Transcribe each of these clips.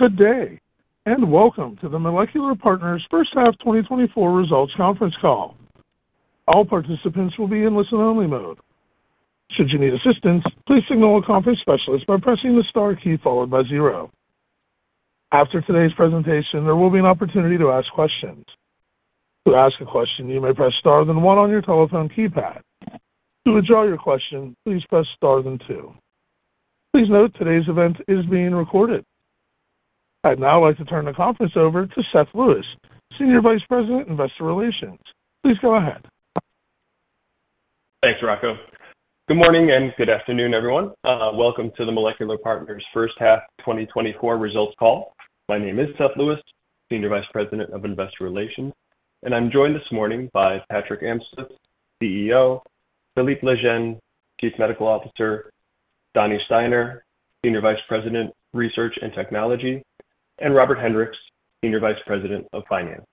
Good day, and welcome to the Molecular Partners First Half 2024 Results Conference Call. All participants will be in listen-only mode. Should you need assistance, please signal a conference specialist by pressing the star key followed by zero. After today's presentation, there will be an opportunity to ask questions. To ask a question, you may press star then one on your telephone keypad. To withdraw your question, please press star then two. Please note, today's event is being recorded. I'd now like to turn the conference over to Seth Lewis, Senior Vice President, Investor Relations. Please go ahead. Thanks, Rocco. Good morning and good afternoon, everyone. Welcome to the Molecular Partners First Half 2024 Results Call. My name is Seth Lewis, Senior Vice President of Investor Relations, and I'm joined this morning by Patrick Amstutz, CEO, Philippe Lejeune, Chief Medical Officer, Daniel Steiner, Senior Vice President, Research and Technology, and Robert Hendriks, Senior Vice President of Finance.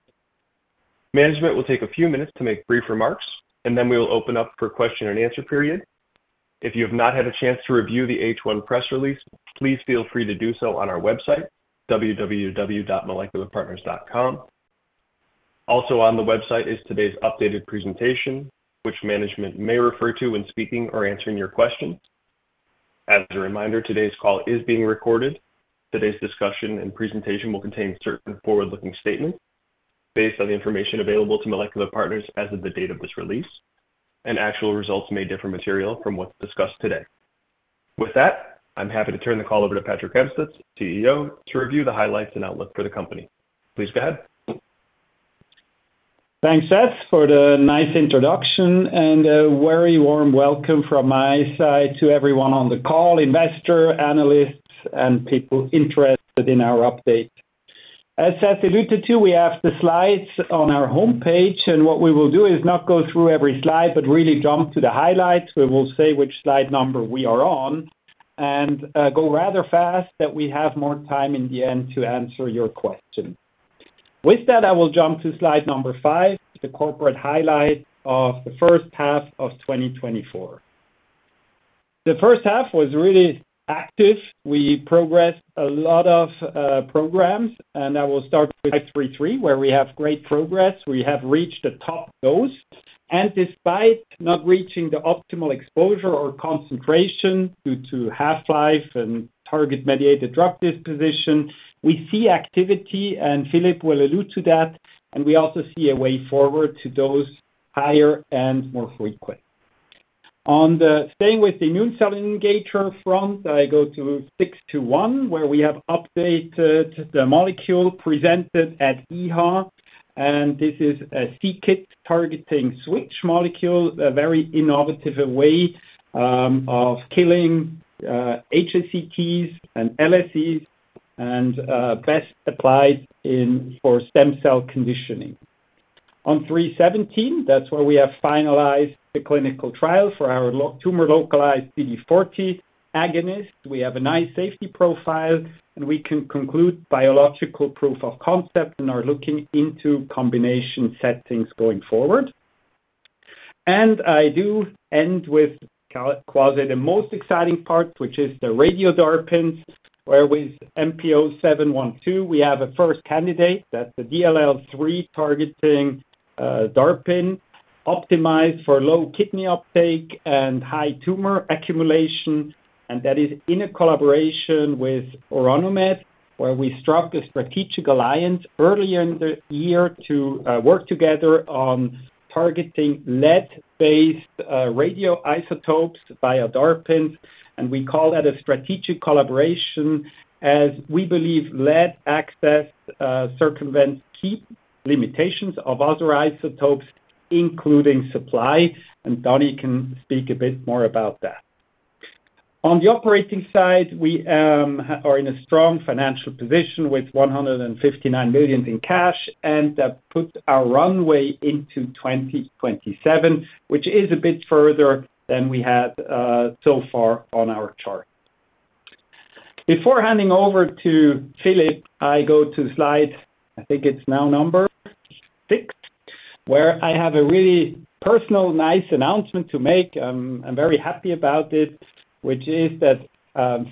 Management will take a few minutes to make brief remarks, and then we will open up for question and answer period. If you have not had a chance to review the H1 press release, please feel free to do so on our website, www.molecularpartners.com. Also on the website is today's updated presentation, which management may refer to when speaking or answering your questions. As a reminder, today's call is being recorded. Today's discussion and presentation will contain certain forward-looking statements based on the information available to Molecular Partners as of the date of this release, and actual results may differ materially from what's discussed today. With that, I'm happy to turn the call over to Patrick Amstutz, CEO, to review the highlights and outlook for the company. Please go ahead. Thanks, Seth, for the nice introduction, and a very warm welcome from my side to everyone on the call, investor, analysts, and people interested in our update. As Seth alluded to, we have the slides on our homepage, and what we will do is not go through every slide, but really jump to the highlights. We will say which slide number we are on and go rather fast, that we have more time in the end to answer your question. With that, I will jump to slide number 5, the corporate highlight of the first half of twenty twenty-four. The first half was really active. We progressed a lot of programs, and I will start with 533, where we have great progress. We have reached the top dose, and despite not reaching the optimal exposure or concentration due to half-life and target-mediated drug disposition, we see activity, and Philippe will allude to that, and we also see a way forward to dose higher and more frequent. On staying with the immune cell engager front, I go to 621, where we have updated the molecule presented at EHA, and this is a c-KIT targeting switch molecule, a very innovative way of killing HSCTs and LSCs and best applied in for stem cell conditioning. On 317, that's where we have finalized the clinical trial for our tumor-localized CD40 agonist. We have a nice safety profile, and we can conclude biological proof of concept and are looking into combination settings going forward. I do end with quasi the most exciting part, which is the Radio-DARPin, where with MP0712, we have a first candidate. That's the DLL3 targeting DARPin, optimized for low kidney uptake and high tumor accumulation, and that is in a collaboration with Orano Med, where we struck a strategic alliance earlier in the year to work together on targeting lead-based radioisotopes via DARPins. We call that a strategic collaboration, as we believe lead access circumvents key limitations of other isotopes, including supply, and Danny can speak a bit more about that. On the operating side, we are in a strong financial position with 159 million in cash, and that put our runway into 2027, which is a bit further than we had so far on our chart. Before handing over to Philippe, I go to slide, I think it's now number six, where I have a really personal nice announcement to make. I'm very happy about this, which is that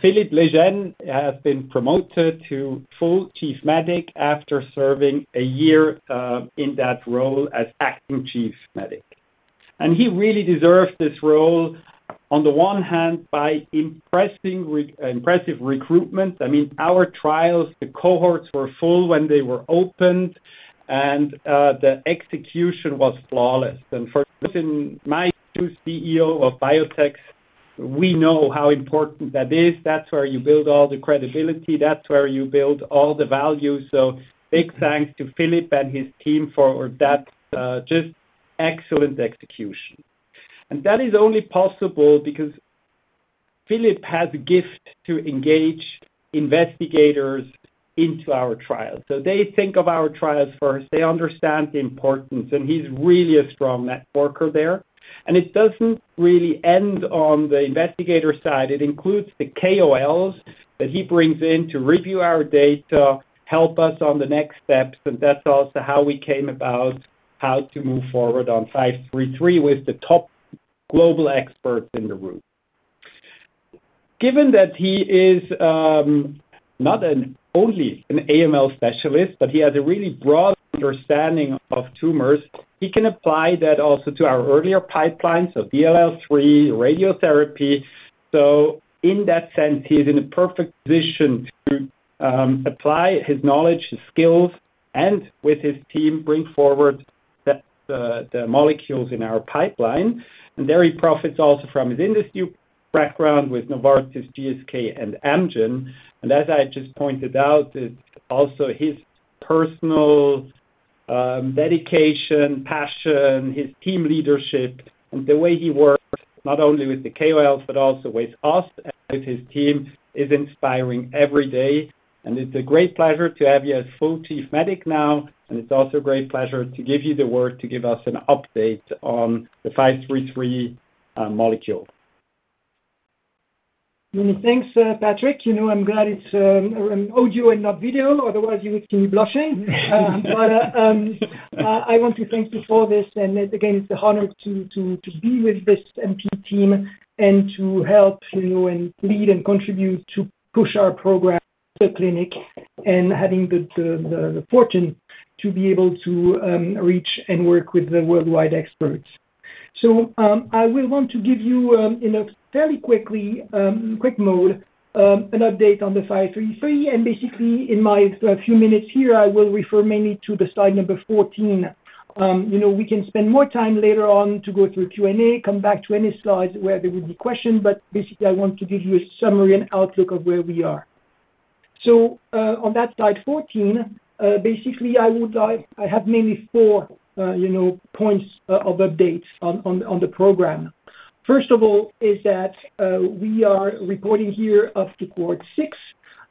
Philippe Lejeune has been promoted to full Chief Medic after serving a year in that role as acting Chief Medic. He really deserves this role, on the one hand, by impressive recruitment. I mean, our trials, the cohorts were full when they were opened, and the execution was flawless. For in my two CEO of biotechs, we know how important that is. That's where you build all the credibility, that's where you build all the value. Big thanks to Philippe and his team for that, just excellent execution. That is only possible because Philippe has a gift to engage investigators into our trials. So they think of our trials first, they understand the importance, and he's really a strong networker there. It doesn't really end on the investigator side. It includes the KOLs that he brings in to review our data, help us on the next steps, and that's also how we came about how to move forward on 533 with the top global experts in the room. Given that he is not only an AML specialist, but he has a really broad understanding of tumors, he can apply that also to our earlier pipeline, so DLL3, radiotherapy. In that sense, he's in a perfect position to apply his knowledge, his skills, and with his team, bring forward the molecules in our pipeline. There, he profits also from his industry background with Novartis, GSK, and Amgen. And as I just pointed out, it's also his personal dedication, passion, his team leadership, and the way he works, not only with the KOLs but also with us and with his team, is inspiring every day. It's a great pleasure to have you as full Chief Medical Officer now, and it's also a great pleasure to give you the word to give us an update on the 533 molecule. Many thanks, Patrick. You know, I'm glad it's an audio and not video, otherwise you would see me blushing. I want to thank you for this, and again, it's an honor to be with this MP team and to help, you know, and lead and contribute to push our program to clinic, and having the fortune to be able to reach and work with the worldwide experts, so I will want to give you, in a very quick mode, an update on the 533, and basically, in my few minutes here, I will refer mainly to the slide number fourteen. You know, we can spend more time later on to go through Q&A, come back to any slides where there will be questions, but basically, I want to give you a summary and outlook of where we are. On that slide 14, basically I have mainly four points of updates on the program. First of all, is that we are reporting here up to cohort 6.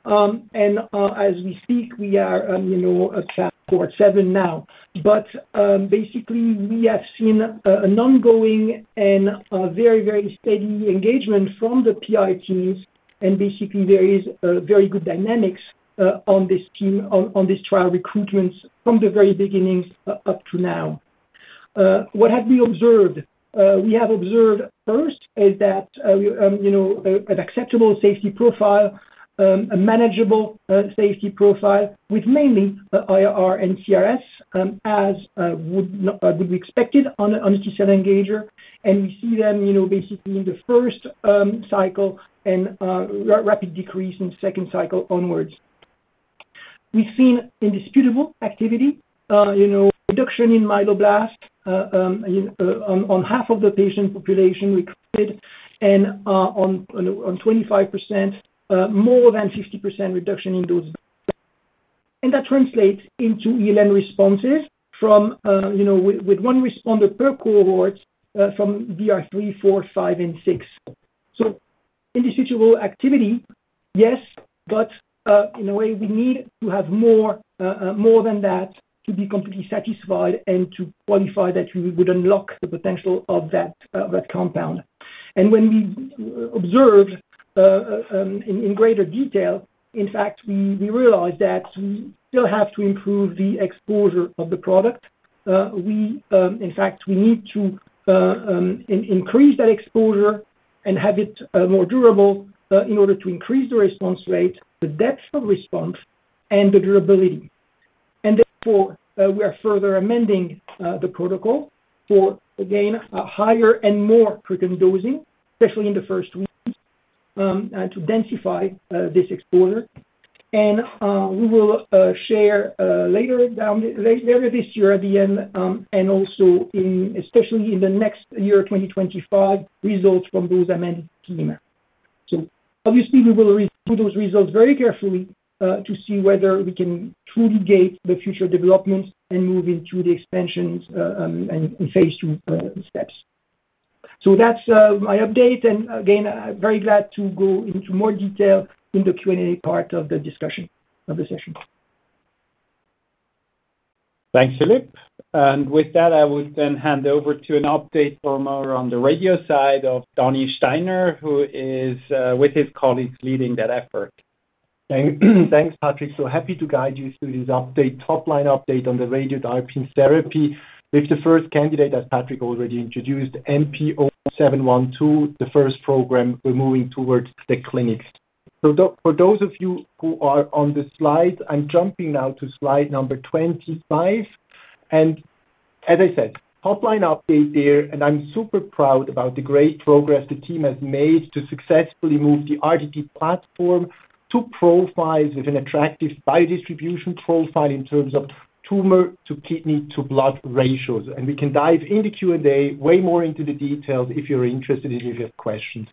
And as we speak, we are, you know, at cohort 7 now. But basically, we have seen an ongoing and a very, very steady engagement from the PI teams, and basically there is very good dynamics on this team, on this trial recruitments from the very beginnings up to now. What have we observed? We have observed, first, is that, you know, an acceptable safety profile, a manageable safety profile with mainly IR and CRS, as would be expected on a T-cell engager. And we see them, you know, basically in the first cycle and rapid decrease in second cycle onwards. We've seen indisputable activity, you know, reduction in myeloblasts in half of the patient population recruited, and in 25% more than 50% reduction in those. And that translates into ELN responses, you know, with one responder per cohort from DL 3, 4, 5, and 6. So in this clinical activity, yes, but in a way, we need to have more than that to be completely satisfied and to qualify that we would unlock the potential of that compound. And when we observed in greater detail, in fact, we realized that we still have to improve the exposure of the product. In fact, we need to increase that exposure and have it more durable in order to increase the response rate, the depth of response, and the durability. And therefore, we are further amending the protocol for again a higher and more prudent dosing, especially in the first weeks to densify this exposure. We will share later this year at the end, and also especially in the next year, 2025, results from those amended scheme. Obviously, we will redo those results very carefully to see whether we can truly gauge the future developments and move into the expansions, and phase two steps. That's my update, and again, I'm very glad to go into more detail in the Q&A part of the discussion of the session. Thanks, Philippe. And with that, I would then hand over to an update from our on the radio side of Daniel Steiner, who is, with his colleagues, leading that effort. Thanks, Patrick. I'm so happy to guide you through this update, top-line update on the radiotherapy therapy. With the first candidate, as Patrick already introduced, MP0712, the first program, we're moving towards the clinics. For those of you who are on the slide, I'm jumping now to slide number 25. As I said, top-line update there, and I'm super proud about the great progress the team has made to successfully move the RTT platform to profiles with an attractive biodistribution profile in terms of tumor to kidney to blood ratios. We can dive into Q&A way more into the details if you're interested and if you have questions.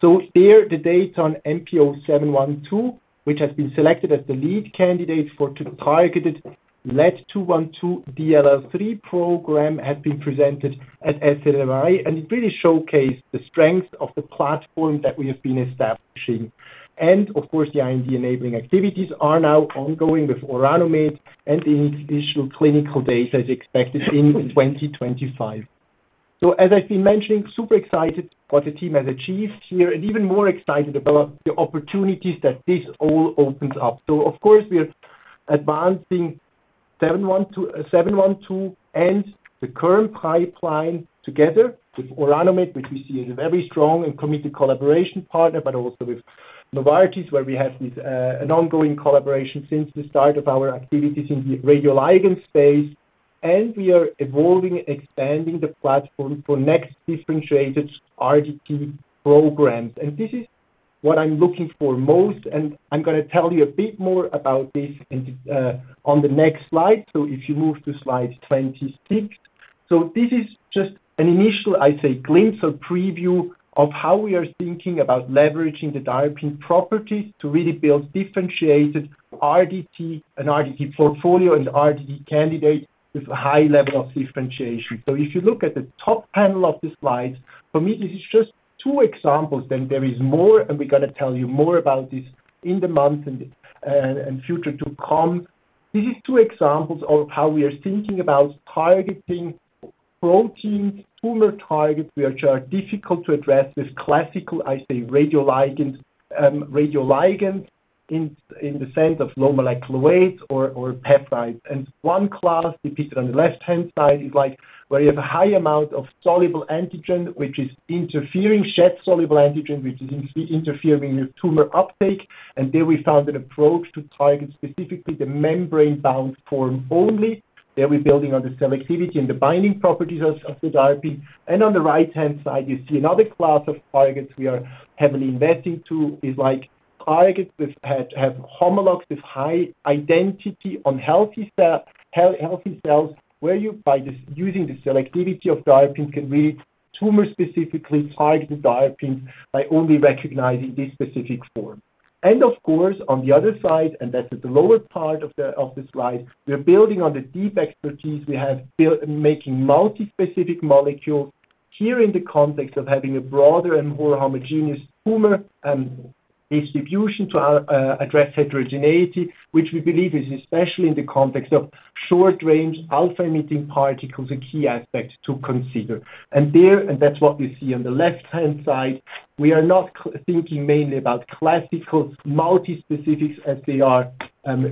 The data on MP0712, which has been selected as the lead candidate for the targeted lead-212 DLL3 program, has been presented at SNMMI, and it really showcased the strength of the platform that we have been establishing. The IND-enabling activities are now ongoing with Orano Med, and the initial clinical data is expected in 2025. As I've been mentioning, super excited what the team has achieved here, and even more excited about the opportunities that this all opens up. We are advancing MP0712 and the current pipeline together with Orano Med, which we see as a very strong and committed collaboration partner, but also with Novartis, where we have an ongoing collaboration since the start of our activities in the radioligand space. And we are evolving and expanding the platform for next differentiated RDT programs. And this is what I'm looking for most, and I'm gonna tell you a bit more about this in on the next slide. So if you move to slide 26. So this is just an initial, I'd say, glimpse or preview of how we are thinking about leveraging the DARPin properties to really build differentiated RDT and RDT portfolio and RDT candidate with a high level of differentiation. So if you look at the top panel of the slides, for me, this is just two examples, and there is more, and we're gonna tell you more about this in the months and future to come. These are two examples of how we are thinking about targeting proteins, tumor targets, which are difficult to address with classical, I say, radioligands, radioligands in the sense of low molecular weight or peptides. And one class, depicted on the left-hand side, is like, where you have a high amount of soluble antigen, which is interfering, shed soluble antigen, which is interfering with tumor uptake. And there we found an approach to target specifically the membrane-bound form only. There we're building on the selectivity and the binding properties of the DARPin. And on the right-hand side, you see another class of targets we are heavily investing to, is like, targets which have homologues with high identity on healthy cells, where you, by this, using the selectivity of DARPin, can really tumor specifically target the DARPin by only recognizing this specific form. And of course, on the other side, and that's at the lower part of the slide, we're building on the deep expertise we have built in making multispecific molecules. Here in the context of having a broader and more homogeneous tumor distribution to address heterogeneity, which we believe is especially in the context of short-range, alpha-emitting particles, a key aspect to consider. And there, and that's what we see on the left-hand side, we are not thinking mainly about classical multispecifics as they are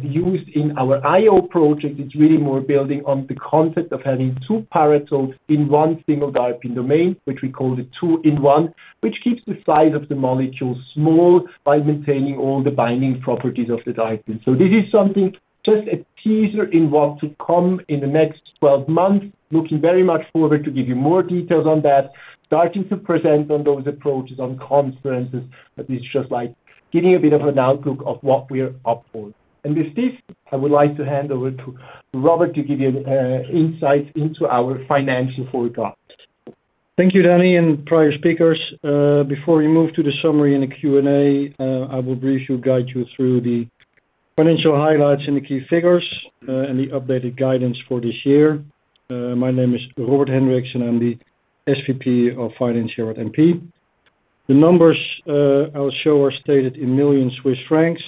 used in our IO project. It's really more building on the concept of having two paratopes in one single DARPin domain, which we call the two-in-one, which keeps the size of the molecule small by maintaining all the binding properties of the DARPin. So this is something, just a teaser in what to come in the next twelve months. Looking very much forward to give you more details on that. Starting to present on those approaches on conferences, but it's just like getting a bit of an outlook of what we're up for. And with this, I would like to hand over to Robert to give you insights into our financial forecast. Thank you, Danny, and prior speakers. Before we move to the summary and the Q&A, I will briefly guide you through the financial highlights and the key figures, and the updated guidance for this year. My name is Robert Hendriks, and I'm the SVP of Finance at MP. The numbers I'll show are stated in million Swiss francs,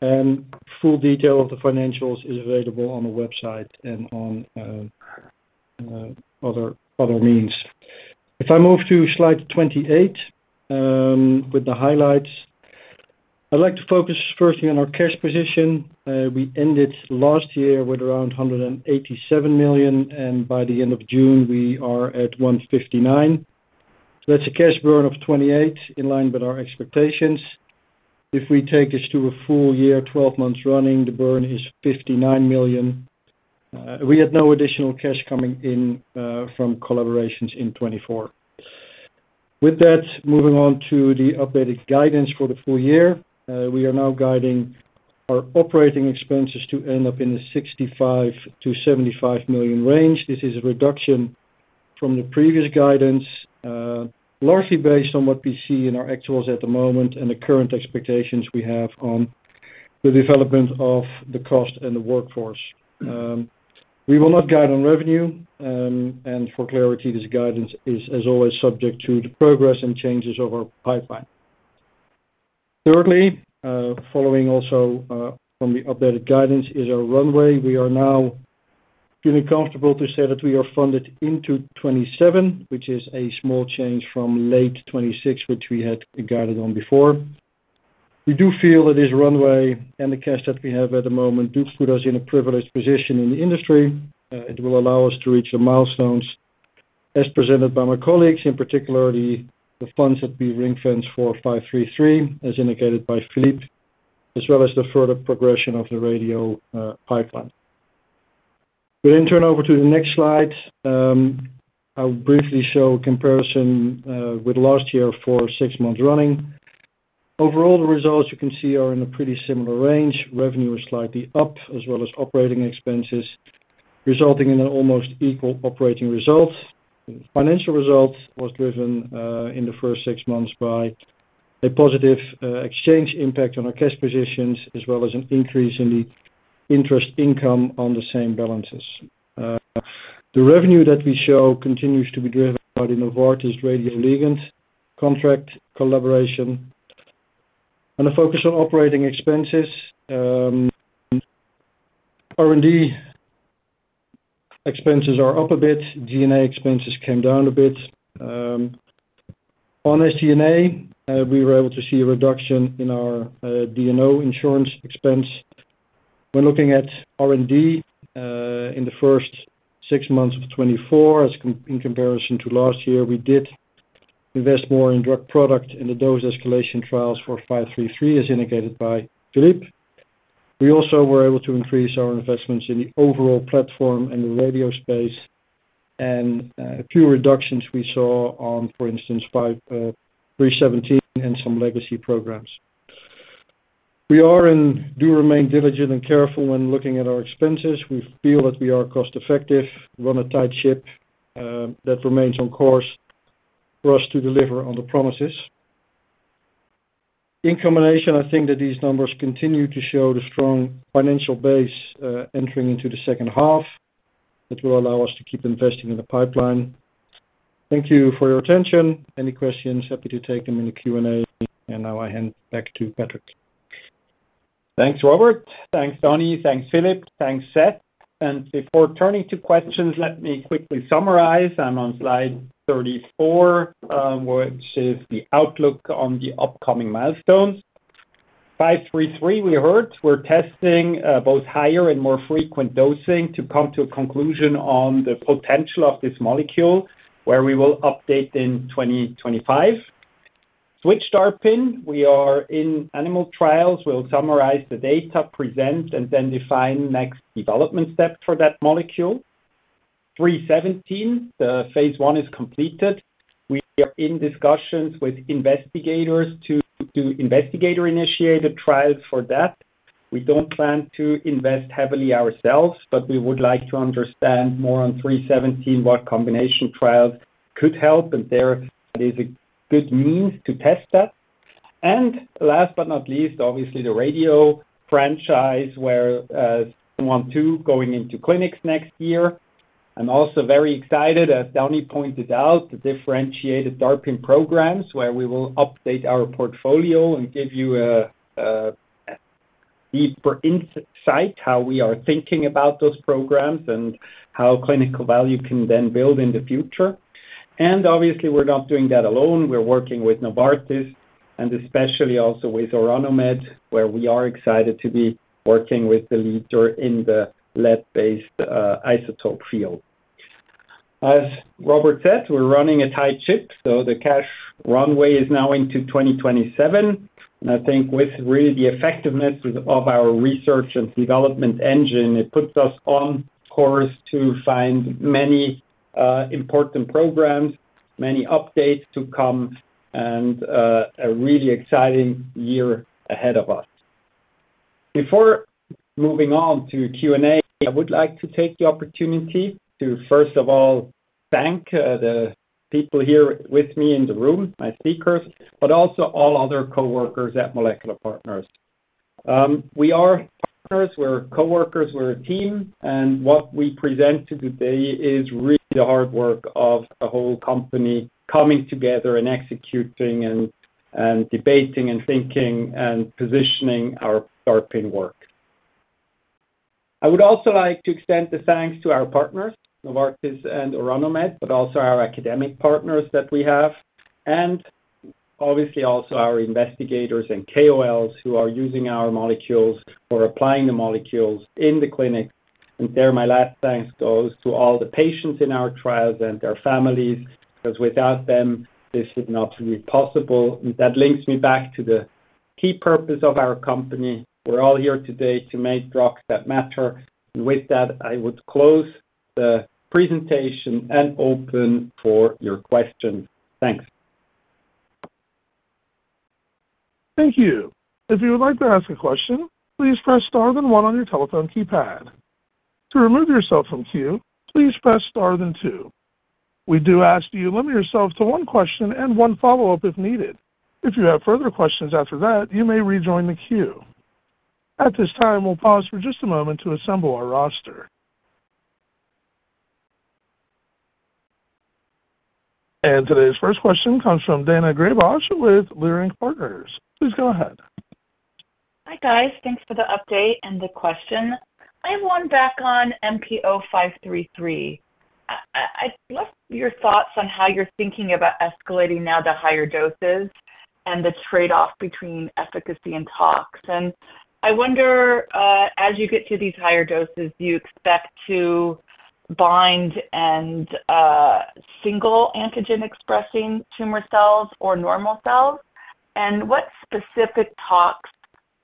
and full detail of the financials is available on the website and on other means. If I move to slide 28, with the highlights, I'd like to focus firstly on our cash position. We ended last year with around 187 million, and by the end of June, we are at 159. That's a cash burn of 28, in line with our expectations. If we take this to a full year, twelve months running, the burn is 59 million. We had no additional cash coming in from collaborations in 2024. With that, moving on to the updated guidance for the full year, we are now guiding our operating expenses to end up in the 65-75 million range. This is a reduction from the previous guidance, largely based on what we see in our actuals at the moment and the current expectations we have on the development of the cost and the workforce. We will not guide on revenue, and for clarity, this guidance is, as always, subject to the progress and changes of our pipeline. Thirdly, following also from the updated guidance is our runway. We are now feeling comfortable to say that we are funded into 2027, which is a small change from late 2026, which we had guided on before. We do feel that this runway and the cash that we have at the moment do put us in a privileged position in the industry. It will allow us to reach the milestones as presented by my colleagues, in particular, the funds that we ring-fence for 533, as indicated by Philippe, as well as the further progression of the radio pipeline. We then turn over to the next slide. I'll briefly show a comparison with last year for six months running. Overall, the results you can see are in a pretty similar range. Revenue is slightly up, as well as operating expenses, resulting in an almost equal operating result. Financial result was driven in the first six months by a positive exchange impact on our cash positions, as well as an increase in the interest income on the same balances. The revenue that we show continues to be driven by the Novartis radioligand contract collaboration. And a focus on operating expenses, R&D expenses are up a bit, G&A expenses came down a bit. On SG&A, we were able to see a reduction in our, D&O insurance expense. When looking at R&D, in the first six months of 2024, in comparison to last year, we did invest more in drug product and the dose escalation trials for 533, as indicated by Philippe. We also were able to increase our investments in the overall platform and the radio space, and, a few reductions we saw on, for instance, 5, 317 and some legacy programs. We are and do remain diligent and careful when looking at our expenses. We feel that we are cost-effective, run a tight ship, that remains on course for us to deliver on the promises. In combination, I think that these numbers continue to show the strong financial base, entering into the second half, that will allow us to keep investing in the pipeline. Thank you for your attention. Any questions, happy to take them in the Q&A. And now I hand back to Patrick. Thanks, Robert. Thanks, Danny. Thanks, Philippe. Thanks, Seth. And before turning to questions, let me quickly summarize. I'm on slide 34, which is the outlook on the upcoming milestones. 533, we heard, we're testing both higher and more frequent dosing to come to a conclusion on the potential of this molecule, where we will update in 2025. Switch-DARPin, we are in animal trials. We'll summarize the data, present, and then define next development step for that molecule. 317, the phase 1 is completed. We are in discussions with investigators to do investigator-initiated trials for that. We don't plan to invest heavily ourselves, but we would like to understand more on 317, what combination trials could help, and there is a good means to test that. And last but not least, obviously, the radio franchise, where MP0712 going into clinics next year. I'm also very excited, as Danny pointed out, the differentiated DARPin programs, where we will update our portfolio and give you a deeper insight how we are thinking about those programs and how clinical value can then build in the future. And obviously, we're not doing that alone. We're working with Novartis and especially also with Orano Med, where we are excited to be working with the leader in the lead-based isotope field. As Robert said, we're running a tight ship, so the cash runway is now into 2027, and I think with really the effectiveness of our research and development engine, it puts us on course to find many important programs, many updates to come, and a really exciting year ahead of us. Before moving on to Q&A, I would like to take the opportunity to, first of all, thank the people here with me in the room, my speakers, but also all other coworkers at Molecular Partners. We are partners, we're coworkers, we're a team, and what we present to you today is really the hard work of a whole company coming together and executing and debating and thinking and positioning our DARPin work. I would also like to extend the thanks to our partners, Novartis and Orano Med, but also our academic partners that we have, and obviously also our investigators and KOLs who are using our molecules or applying the molecules in the clinic, and there, my last thanks goes to all the patients in our trials and their families, because without them, this would not be possible. And that links me back to the key purpose of our company. We're all here today to make drugs that matter. And with that, I would close the presentation and open for your questions. Thanks. Thank you. If you would like to ask a question, please press Star then one on your telephone keypad. To remove yourself from queue, please press star then two. We do ask that you limit yourself to one question and one follow-up if needed. If you have further questions after that, you may rejoin the queue. At this time, we'll pause for just a moment to assemble our roster. And today's first question comes from Daina Graybosch with Leerink Partners. Please go ahead. Hi, guys. Thanks for the update and the question. I have one back on MP0533. I'd love your thoughts on how you're thinking about escalating now to higher doses and the trade-off between efficacy and tox, and I wonder, as you get to these higher doses, do you expect to bind and single antigen-expressing tumor cells or normal cells? And what specific tox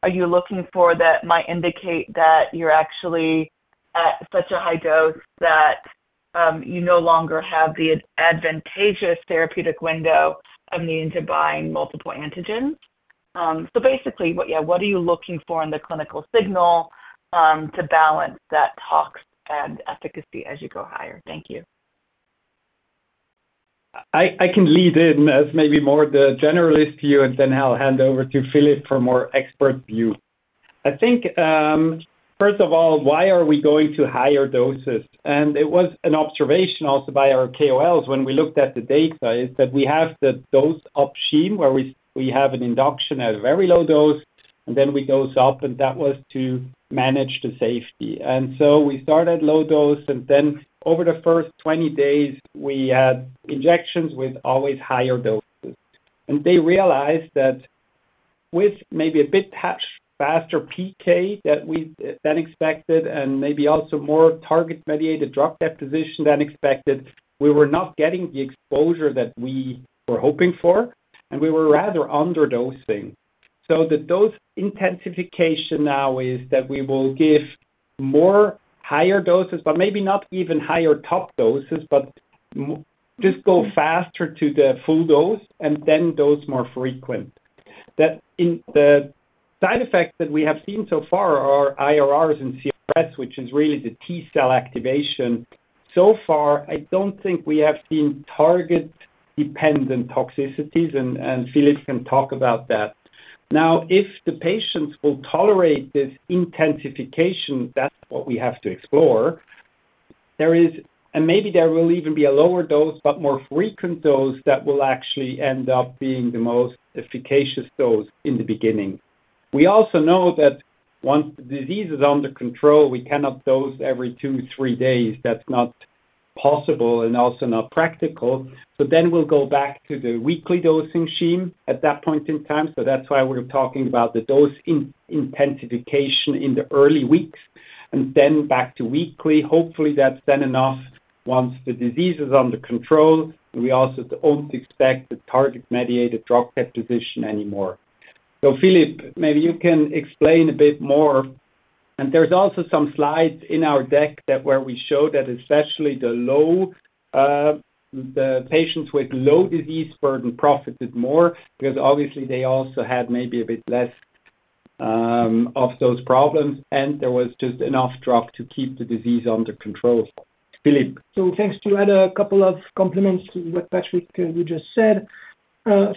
are you looking for that might indicate that you're actually at such a high dose that you no longer have the advantageous therapeutic window of needing to bind multiple antigens? So basically, what, yeah, what are you looking for in the clinical signal to balance that tox and efficacy as you go higher? Thank you. I can lead in as maybe more the generalist view, and then I'll hand over to Philippe for more expert view. I think, first of all, why are we going to higher doses? And it was an observation also by our KOLs when we looked at the data, is that we have the dose escalation, where we have an induction at a very low dose, and then we dose up, and that was to manage the safety. And so we started low dose, and then over the first 20 days, we had injections with always higher doses. And they realized that with maybe a bit touch faster PK than expected and maybe also more target-mediated drug disposition than expected, we were not getting the exposure that we were hoping for, and we were rather underdosing. So the dose intensification now is that we will give more higher doses, but maybe not even higher top doses, but just go faster to the full dose and then dose more frequent. That in the side effects that we have seen so far are IRRs and CRS, which is really the T cell activation. So far, I don't think we have seen target-dependent toxicities, and Philippe can talk about that. Now, if the patients will tolerate this intensification, that's what we have to explore. There is, and maybe there will even be a lower dose, but more frequent dose that will actually end up being the most efficacious dose in the beginning. We also know that once the disease is under control, we cannot dose every two, three days. That's not possible and also not practical. So then we'll go back to the weekly dosing scheme at that point in time. So that's why we're talking about the dose intensification in the early weeks, and then back to weekly. Hopefully, that's then enough once the disease is under control, and we also don't expect the target-mediated drug disposition anymore. So Philippe, maybe you can explain a bit more. And there's also some slides in our deck where we show that especially the patients with low disease burden profited more, because obviously they also had maybe a bit less of those problems, and there was just enough drug to keep the disease under control. Philippe? Thanks to you, add a couple of comments to what you, Patrick, just said.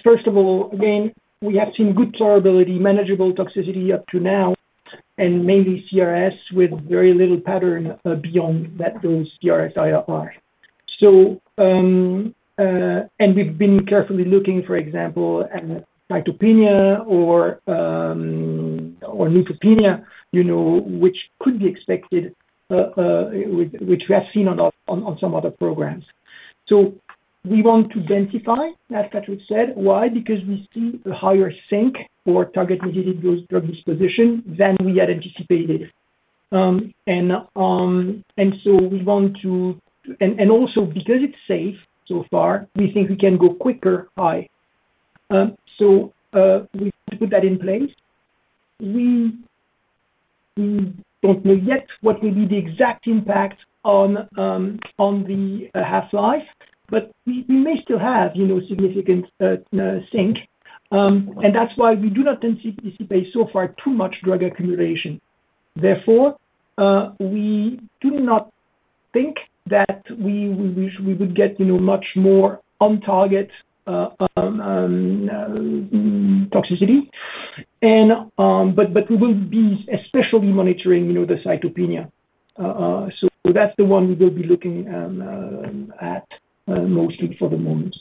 First of all, again, we have seen good tolerability, manageable toxicity up to now, and mainly CRS, with very little pattern beyond that, those CRS IRR. And we've been carefully looking, for example, at cytopenia or neutropenia, you know, which could be expected, which we have seen on some other programs. We want to densify, as Patrick said. Why? Because we see a higher sink for target-mediated drug disposition than we had anticipated. And so we want to, and also because it's safe so far, we think we can go quicker high. We put that in place. We don't know yet what will be the exact impact on the half-life, but we may still have, you know, significant sink. That's why we do not anticipate so far too much drug accumulation. Therefore, we do not think that we would get, you know, much more on target toxicity. We will be especially monitoring, you know, the cytopenia. That's the one we will be looking at mostly for the moment.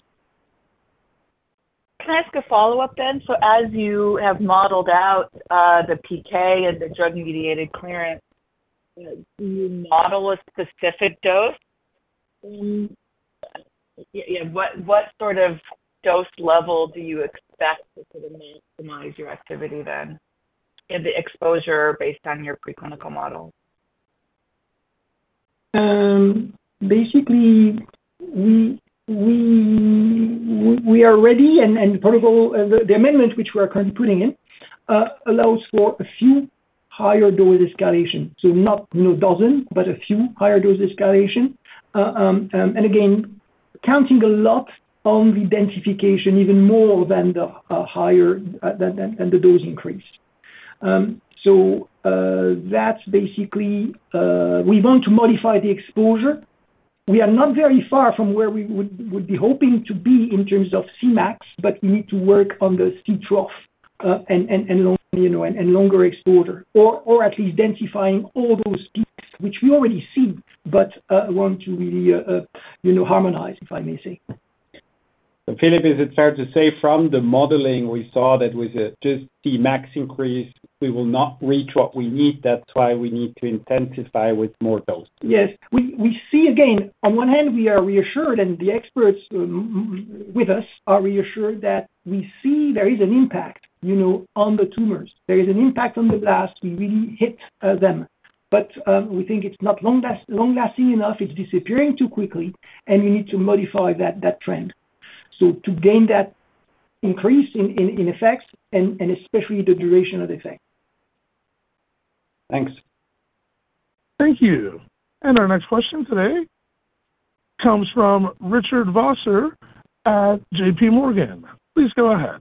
Can I ask a follow-up then? So as you have modeled out, the PK and the drug-mediated clearance, do you model a specific dose? What sort of dose level do you expect to sort of maximize your activity then, in the exposure based on your preclinical model? Basically, we are ready and the protocol amendment, which we are currently putting in, allows for a few higher dose escalation. So not, you know, dozen, but a few higher dose escalation. And again, counting a lot on the densification, even more than the higher than the dose increase. So that's basically we want to modify the exposure. We are not very far from where we would be hoping to be in terms of C-max, but we need to work on the C-trough and longer exposure, or at least densifying all those peaks, which we already see, but want to really, you know, harmonize, if I may say. Philippe, is it fair to say from the modeling we saw that with just the max increase, we will not reach what we need, that's why we need to intensify with more dose? Yes. We see again, on one hand we are reassured, and the experts with us are reassured that we see there is an impact, you know, on the tumors. There is an impact on the mass. We really hit them. But we think it's not long lasting enough, it's disappearing too quickly, and we need to modify that trend. So to gain that increase in effects and especially the duration of the effect. Thanks. Thank you, and our next question today comes from Richard Vosser at J.P. Morgan. Please go ahead.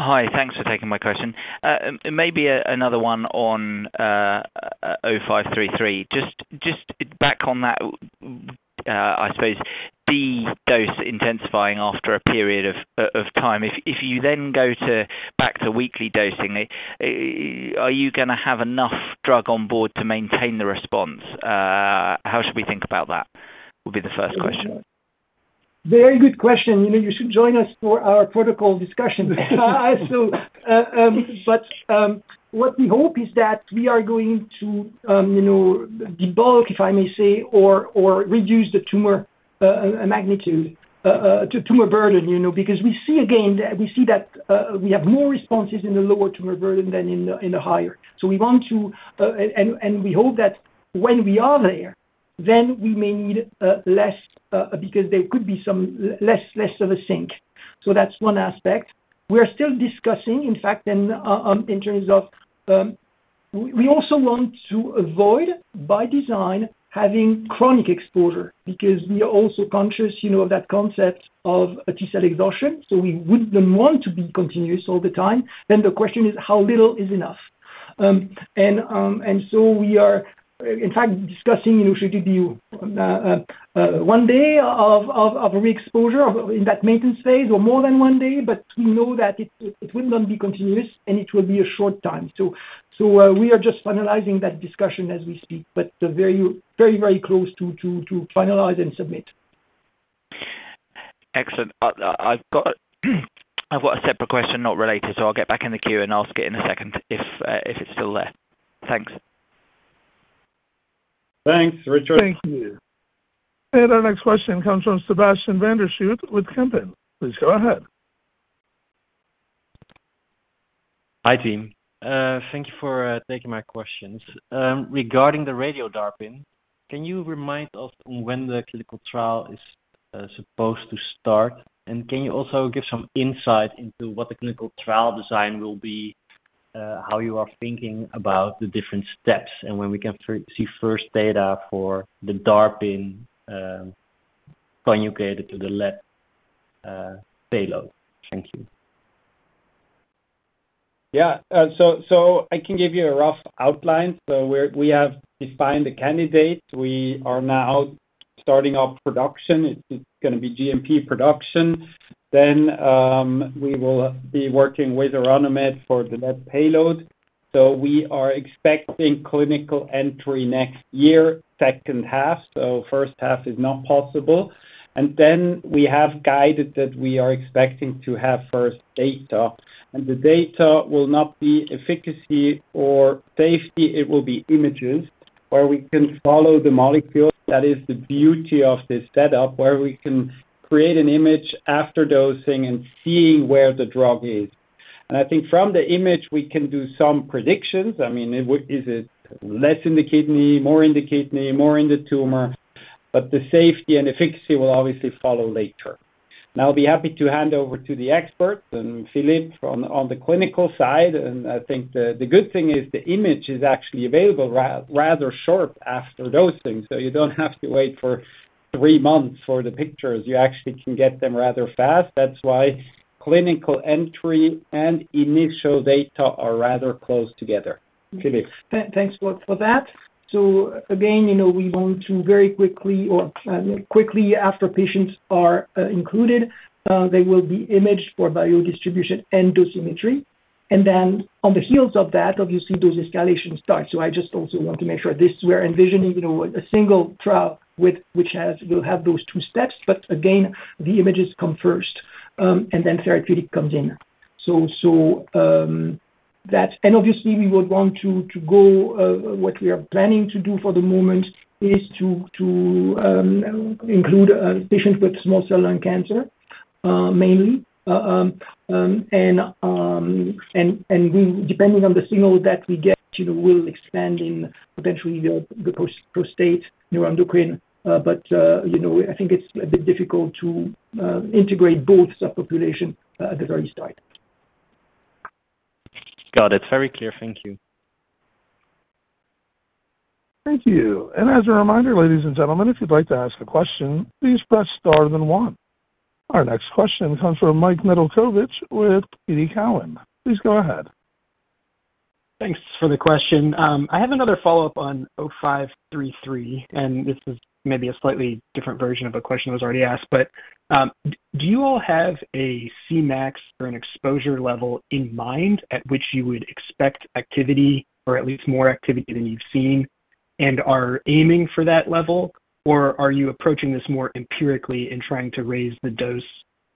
Hi, thanks for taking my question, and maybe another one on MP0533. Just back on that, I suppose the dose intensifying after a period of time. If you then go back to weekly dosing, are you gonna have enough drug on board to maintain the response? How should we think about that? Would be the first question.... Very good question. You know, you should join us for our protocol discussions. So, but what we hope is that we are going to, you know, debulk, if I may say, or reduce the tumor magnitude, tumor burden, you know, because we see again that we have more responses in the lower tumor burden than in the higher. So we want to, and we hope that when we are there, then we may need less, because there could be some less of a sink. So that's one aspect. We are still discussing, in fact, and in terms of we also want to avoid, by design, having chronic exposure, because we are also conscious, you know, of that concept of a T-cell exhaustion. So we wouldn't want to be continuous all the time. Then the question is: how little is enough? We are, in fact, discussing, you know, should it be one day of reexposure in that maintenance phase or more than one day? But we know that it will not be continuous, and it will be a short time. We are just finalizing that discussion as we speak, but very close to finalize and submit. Excellent. I've got a separate question, not related, so I'll get back in the queue and ask it in a second, if it's still there. Thanks. Thanks, Richard. Thank you. And our next question comes from Sebastiaan van der Schoot with Van Lanschot Kempen. Please go ahead. Hi, team. Thank you for taking my questions. Regarding the Radio-DARPin, can you remind us on when the clinical trial is supposed to start? And can you also give some insight into what the clinical trial design will be, how you are thinking about the different steps, and when we can see first data for the DARPin, conjugated to the lead payload? Thank you. I can give you a rough outline. We have defined the candidate. We are now starting up production. It's gonna be GMP production. Then, we will be working with Orano Med for the next payload. We are expecting clinical entry next year, second half, so first half is not possible. We have guided that we are expecting to have first data, and the data will not be efficacy or safety, it will be images, where we can follow the molecule. That is the beauty of this setup, where we can create an image after dosing and seeing where the drug is. I think from the image, we can do some predictions. I mean, it would... Is it less in the kidney, more in the kidney, more in the tumor? But the safety and efficacy will obviously follow later. Now, I'll be happy to hand over to the expert, and Philippe from on the clinical side. I think the good thing is the image is actually available rather short after dosing, so you don't have to wait for three months for the pictures. You actually can get them rather fast. That's why clinical entry and initial data are rather close together. Philippe? Thanks, Lot, for that. So again, you know, we want to very quickly or quickly after patients are included, they will be imaged for biodistribution and dosimetry. And then on the heels of that, obviously, those escalations start. I just also want to make sure this. We're envisioning, you know, a single trial which will have those two steps, but again, the images come first, and then therapeutic comes in. That. And obviously, we would want to go. What we are planning to do for the moment is to include patients with small cell lung cancer, mainly. And we, depending on the signal that we get, you know, we'll expand in potentially the prostate neuroendocrine. But you know, think it's a bit difficult to integrate both subpopulations at the very start. Got it. Very clear. Thank you. Thank you. And as a reminder, ladies and gentlemen, if you'd like to ask a question, please press star then one. Our next question comes from Michael Nedelcovych with TD Cowen. Please go ahead. Thanks for the question. I have another follow-up on MP0533, and this is maybe a slightly different version of a question that was already asked. But, do you all have a Cmax or an exposure level in mind at which you would expect activity or at least more activity than you've seen, and are aiming for that level? Or are you approaching this more empirically in trying to raise the dose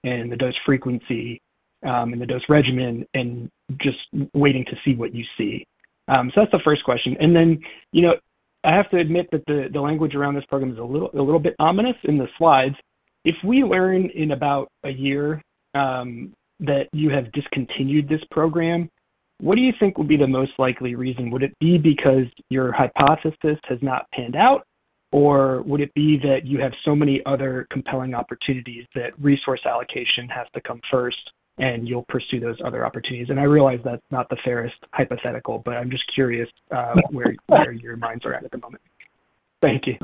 and the dose frequency, and the dose regimen and just waiting to see what you see? So that's the first question. And then, you know, I have to admit that the language around this program is a little bit ominous in the slides. If we learn in about a year that you have discontinued this program, what do you think would be the most likely reason? Would it be because your hypothesis has not panned out, or would it be that you have so many other compelling opportunities that resource allocation has to come first, and you'll pursue those other opportunities? And I realize that's not the fairest hypothetical, but I'm just curious, where your minds are at the moment. Thank you.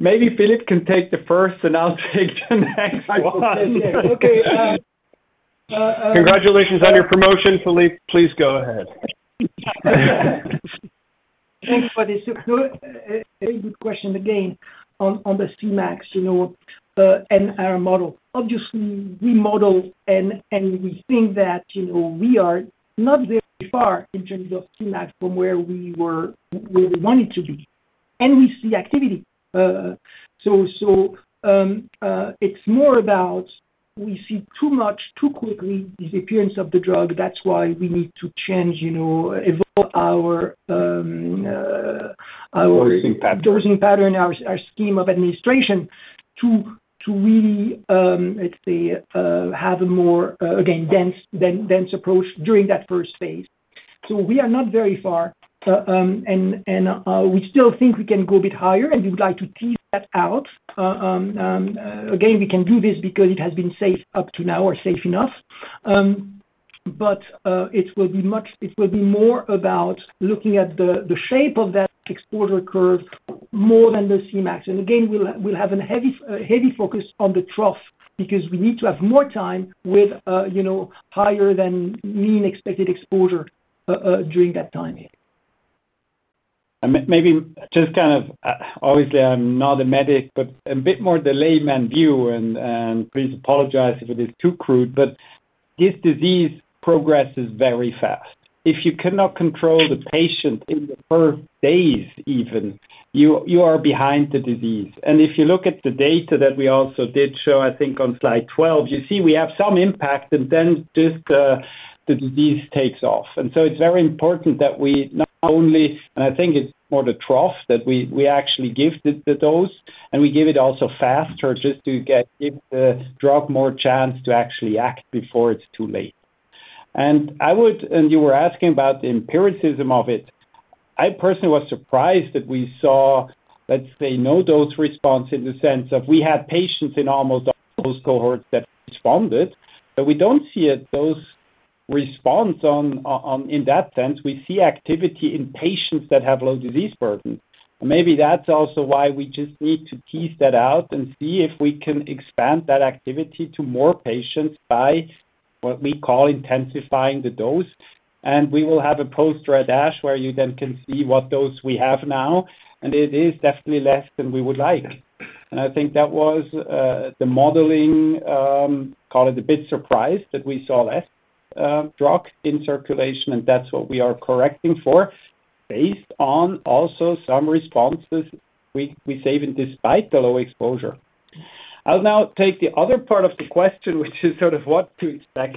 Maybe Philippe can take the first, and I'll take the next one. Okay. Congratulations on your promotion, Philippe. Please go ahead. Thank you for this. So, a good question again on the C-max, you know, and our model. Obviously, we model and we think that, you know, we are not very far in terms of C-max from where we were, where we wanted to be... and we see activity. So, it's more about we see too much, too quickly, disappearance of the drug. That's why we need to change, you know, evolve our, our- Dosing pattern. Dosing pattern, our scheme of administration, to really let's say have a more again dense approach during that first phase. So we are not very far, and we still think we can go a bit higher, and we would like to tease that out. Again, we can do this because it has been safe up to now, or safe enough. It will be more about looking at the shape of that exposure curve more than the C-max. And again, we'll have a heavy focus on the trough, because we need to have more time with you know higher than mean expected exposure during that time here. Maybe just kind of, obviously, I'm not a medic, but a bit more the layman view, and please apologize if it is too crude, but this disease progresses very fast. If you cannot control the patient in the first days even, you are behind the disease. If you look at the data that we also did show, I think on slide 12, you see we have some impact, and then just the disease takes off. So it's very important that we not only... I think it's more the trough, that we actually give the dose, and we give it also faster just to give the drug more chance to actually act before it's too late. I would and you were asking about the empiricism of it. I personally was surprised that we saw, let's say, no dose response in the sense of we had patients in almost all those cohorts that responded, but we don't see a dose response in that sense. We see activity in patients that have low disease burden. Maybe that's also why we just need to tease that out and see if we can expand that activity to more patients by what we call intensifying the dose. We will have a poster at ASH, where you then can see what dose we have now, and it is definitely less than we would like. I think that was the modeling, call it a bit surprised that we saw less drug in circulation, and that's what we are correcting for, based on also some responses we see despite the low exposure. I'll now take the other part of the question, which is sort of what to expect,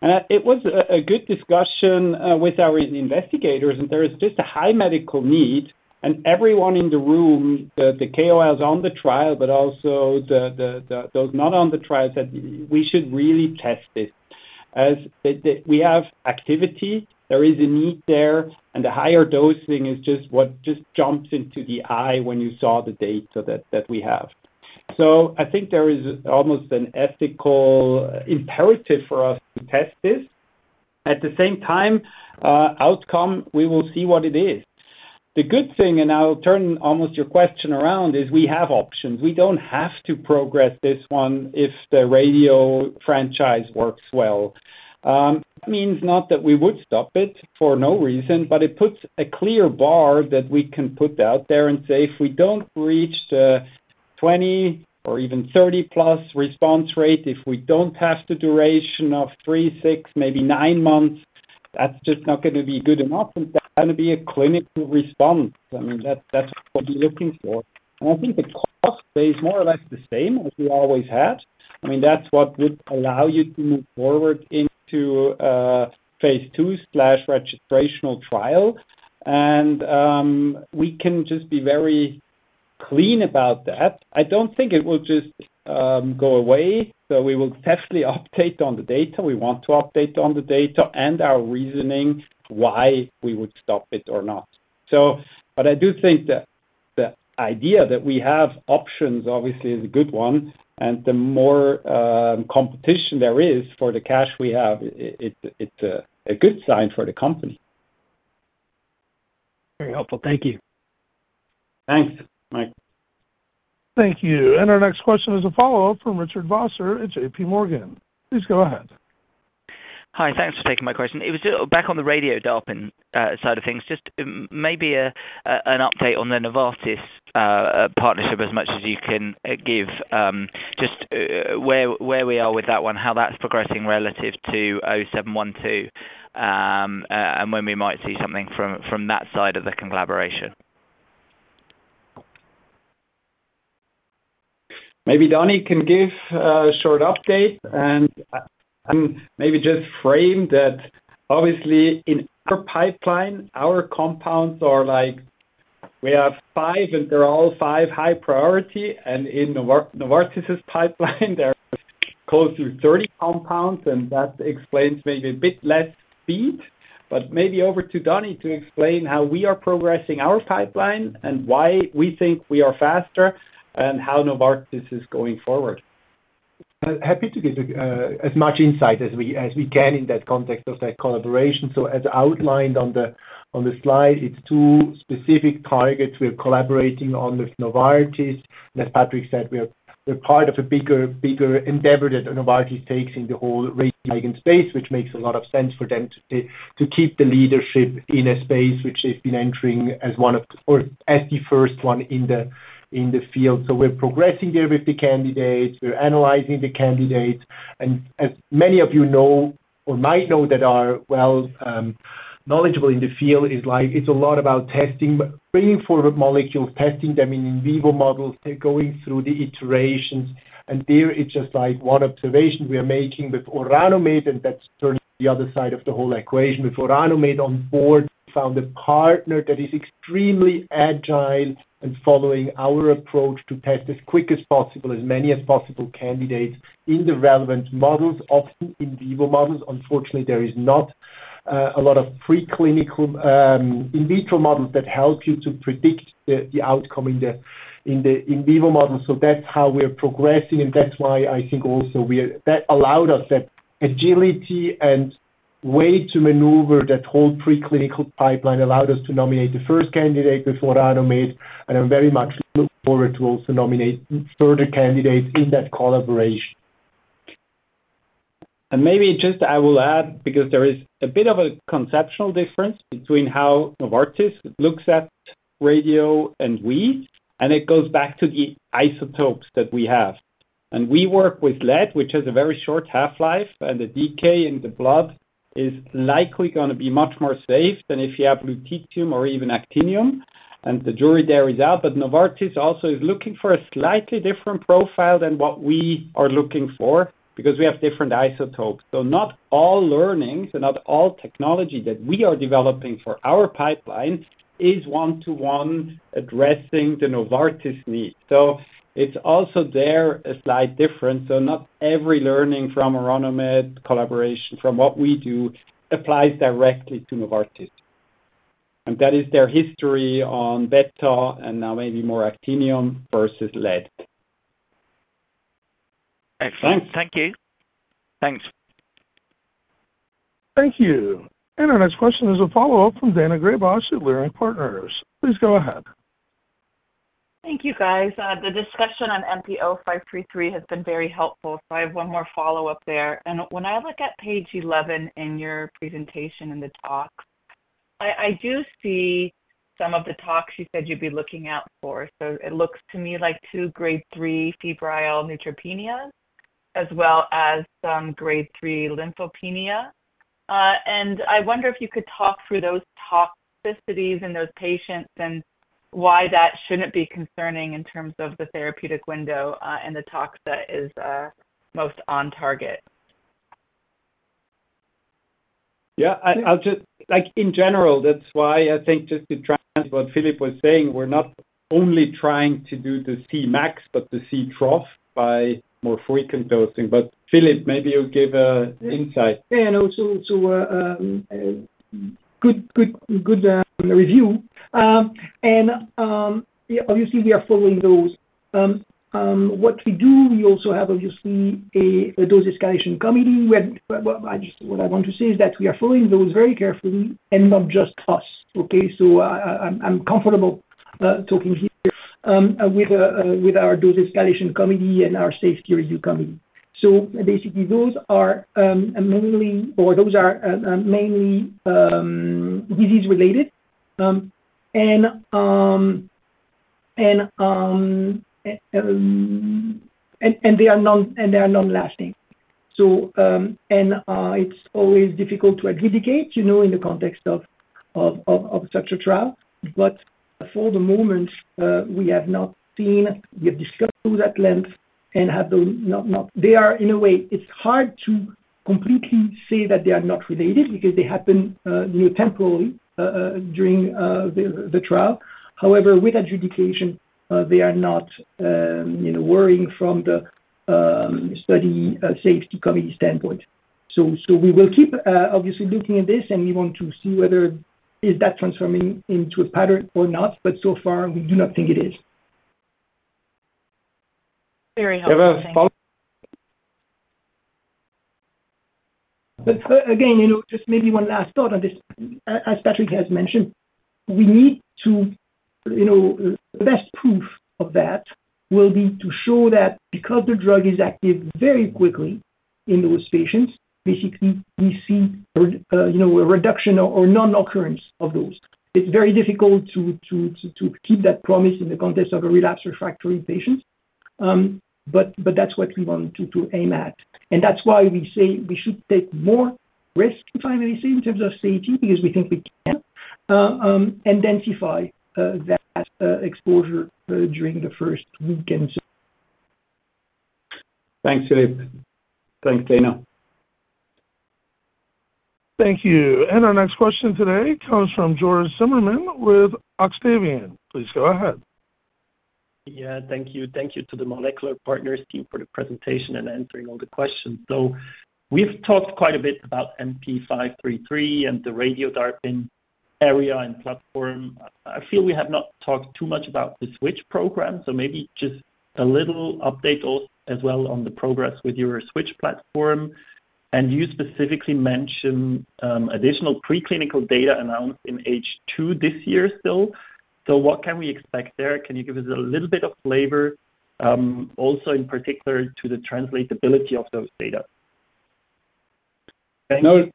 and it was a good discussion with our investigators, and there is just a high medical need, and everyone in the room, the KOLs on the trial, but also those not on the trial, said we should really test this. As we have activity, there is a need there, and the higher dosing is just what jumps into the eye when you saw the data that we have. So I think there is almost an ethical imperative for us to test this. At the same time, outcome, we will see what it is. The good thing, and I'll turn almost your question around, is we have options. We don't have to progress this one if the radio franchise works well. Means not that we would stop it for no reason, but it puts a clear bar that we can put out there and say, "If we don't reach the 20 or even 30-plus response rate, if we don't have the duration of three, six, maybe nine months, that's just not gonna be good enough, and that's gonna be a clinical response." I mean, that's what we're looking for. I think the costs stay more or less the same as we always have. I mean, that's what would allow you to move forward into phase 2/registrational trial. We can just be very clean about that. I don't think it will just go away, so we will definitely update on the data. We want to update on the data and our reasoning why we would stop it or not. So, but I do think that the idea that we have options, obviously, is a good one, and the more competition there is for the cash we have, it's a good sign for the company. Very helpful. Thank you. Thanks, Mike. Thank you. And our next question is a follow-up from Richard Vosser at J.P. Morgan. Please go ahead. Hi, thanks for taking my question. It was just back on the Radio-DARPin side of things, just maybe an update on the Novartis partnership, as much as you can give. Just where we are with that one, how that's progressing relative to MP0712, and when we might see something from that side of the collaboration? Maybe Danny can give a short update, and, and maybe just frame that obviously in our pipeline, our compounds are like, we have five, and they're all five high priority, and in Novartis's pipeline, there are close to 30 compounds, and that explains maybe a bit less speed. But maybe over to Danny to explain how we are progressing our pipeline and why we think we are faster and how Novartis is going forward. Happy to give as much insight as we can in that context of that collaboration. So as outlined on the slide, it's two specific targets we're collaborating on with Novartis. As Patrick said, we're part of a bigger endeavor that Novartis takes in the whole radioligand space, which makes a lot of sense for them to keep the leadership in a space which they've been entering as one of or as the first one in the field. So we're progressing there with the candidates, we're analyzing the candidates, and as many of you know or might know that our... knowledgeable in the field is like, it's a lot about testing, but bringing forward molecules, testing them in vivo models, and going through the iterations. And there, it's just like one observation we are making with Orano Med, and that's certainly the other side of the whole equation. With Orano Med on board, we found a partner that is extremely agile and following our approach to test as quick as possible, as many as possible candidates in the relevant models, often in vivo models. Unfortunately, there is not a lot of preclinical in vitro models that help you to predict the outcome in the in vivo model. That's how we're progressing, and that's why I think also that allowed us that agility and way to maneuver that whole preclinical pipeline, allowed us to nominate the first candidate with Orano Med, and I very much look forward to also nominate further candidates in that collaboration. And maybe just I will add, because there is a bit of a conceptual difference between how Novartis looks at radio and we, and it goes back to the isotopes that we have. And we work with lead, which has a very short half-life, and the decay in the blood is likely gonna be much more safe than if you have lutetium or even actinium, and the jury there is out. But Novartis also is looking for a slightly different profile than what we are looking for, because we have different isotopes. So not all learnings and not all technology that we are developing for our pipeline is one-to-one addressing the Novartis needs. So it's also there, a slight difference, so not every learning from Orano Med collaboration, from what we do, applies directly to Novartis. And that is their history on beta and now maybe more actinium versus lead. Excellent. Thank you. Thanks. Thank you. And our next question is a follow-up from Daina Graybosch at Leerink Partners. Please go ahead. Thank you, guys. The discussion on MP0533 has been very helpful, so I have one more follow-up there. When I look at page 11 in your presentation in the talk, I do see some of the tox you said you'd be looking out for. So it looks to me like two grade three febrile neutropenia, as well as some grade three lymphopenia. And I wonder if you could talk through those toxicities in those patients and why that shouldn't be concerning in terms of the therapeutic window, and the tox that is most on target. In general, that's why I think just to translate what Philippe was saying, we're not only trying to do the Cmax, but the Ctrough by more frequent dosing. But Philippe, maybe you'll give an insight. Yeah, and also to good review. And, yeah, obviously, we are following those. What we do, we also have obviously a dose escalation committee, where I just, what I want to say is that we are following those very carefully, and not just us, okay? So, I, I'm comfortable talking here with our dose escalation committee and our safety review committee. So basically, those are mainly, or those are mainly disease related. And, and they are non, and they are non-lasting. So, and, it's always difficult to adjudicate, you know, in the context of such a trial. But for the moment, we have not seen, we have discussed those at length and have those not, not... They are, in a way, it's hard to completely say that they are not related, because they happen, you know, temporarily, during the trial. However, with adjudication, they are not, you know, worrying from the study safety committee standpoint. So we will keep, obviously, looking at this, and we want to see whether is that transforming into a pattern or not, but so far, we do not think it is. Very helpful. You have a follow-up? But, again, you know, just maybe one last thought on this. As Patrick has mentioned, we need to, you know, the best proof of that will be to show that because the drug is active very quickly in those patients, basically, we see a reduction or non-occurrence of those. It's very difficult to keep that promise in the context of a relapsed refractory patient, but that's what we want to aim at. And that's why we say we should take more risk, finally, say, in terms of safety, because we think we can identify that exposure during the first weekends. Thanks, Philippe. Thanks, Daina. Thank you. And our next question today comes from Joris Zimmermann with Octavian. Please go ahead. Yeah, thank you. Thank you to the Molecular Partners team for the presentation and answering all the questions. So we've talked quite a bit about MP0533 and the Radio-DARPin area and platform. I feel we have not talked too much about the Switch program, so maybe just a little update as well on the progress with your Switch platform. And you specifically mentioned additional preclinical data announced in H2 this year still. So what can we expect there? Can you give us a little bit of flavor also in particular to the translatability of those data?... No,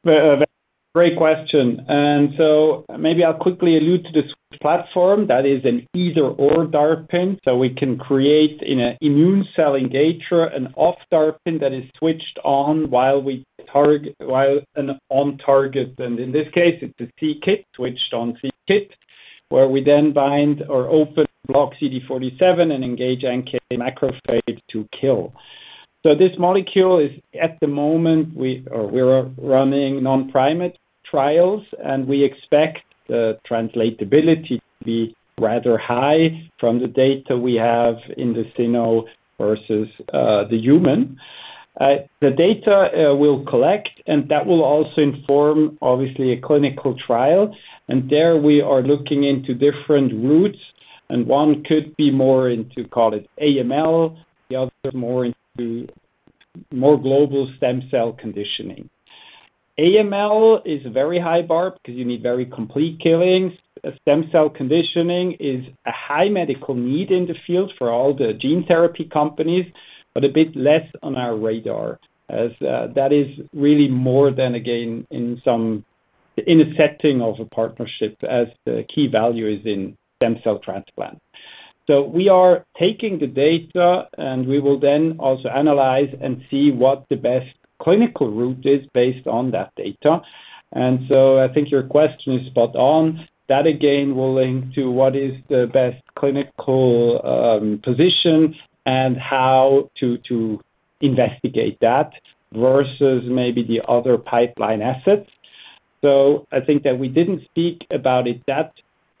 great question. And so maybe I'll quickly allude to the platform that is an either or DARPin. So we can create in an immune cell engager, an off DARPin that is switched on while we target while an on target, and in this case, it's a c-KIT, switched on c-KIT, where we then bind or open block CD47 and engage NK macrophage to kill. So this molecule is, at the moment, we are, we're running non-primate trials, and we expect the translatability to be rather high from the data we have in the cyno versus the human. The data we'll collect, and that will also inform, obviously, a clinical trial. And there we are looking into different routes, and one could be more into, call it AML, the other more into more global stem cell conditioning. AML is a very high bar because you need very complete killings. Stem cell conditioning is a high medical need in the field for all the gene therapy companies, but a bit less on our radar, as that is really more than, again, in some, in a setting of a partnership, as the key value is in stem cell transplant. So we are taking the data, and we will then also analyze and see what the best clinical route is based on that data. I think your question is spot on. That, again, will link to what is the best clinical position and how to investigate that versus maybe the other pipeline assets. I think that we didn't speak about it that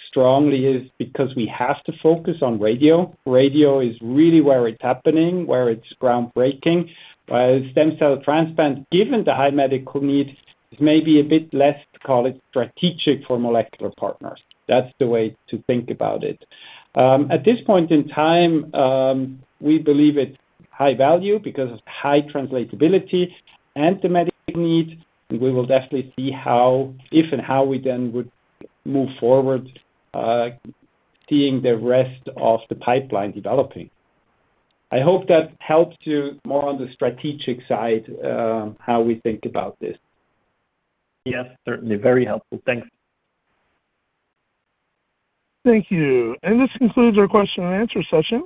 strongly is because we have to focus on radio. Radio is really where it's happening, where it's groundbreaking. But stem cell transplant, given the high medical needs, is maybe a bit less, call it, strategic for Molecular Partners. That's the way to think about it. At this point in time, we believe it's high value because of high translatability and the medical needs. We will definitely see how, if and how we then would move forward, seeing the rest of the pipeline developing. I hope that helps you more on the strategic side, how we think about this. Yes, certainly. Very helpful. Thanks. Thank you. This concludes our question and answer session.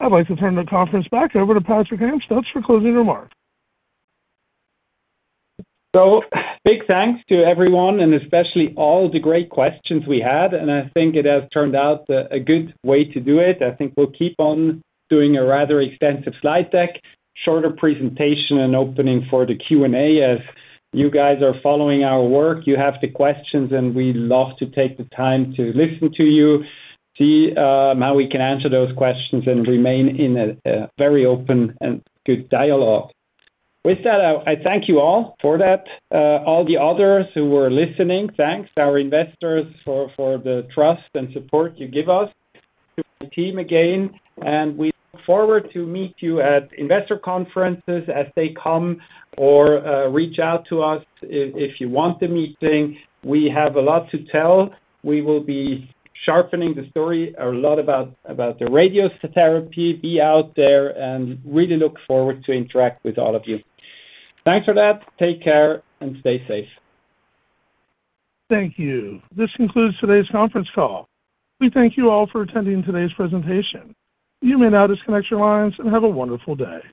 I'd like to turn the conference back over to Patrick Amstutz for closing remarks. So big thanks to everyone, and especially all the great questions we had, and I think it has turned out a good way to do it. I think we'll keep on doing a rather extensive slide deck, shorter presentation and opening for the Q&A. As you guys are following our work, you have the questions, and we love to take the time to listen to you, see how we can answer those questions and remain in a very open and good dialogue. With that, I thank you all for that. All the others who were listening, thanks. Our investors for the trust and support you give us. To the team again, and we look forward to meet you at investor conferences as they come or reach out to us if you want the meeting. We have a lot to tell. We will be sharpening the story a lot about the radiotherapy, be out there, and really look forward to interact with all of you. Thanks for that. Take care and stay safe. Thank you. This concludes today's conference call. We thank you all for attending today's presentation. You may now disconnect your lines and have a wonderful day.